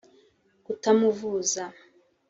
kutamuvuza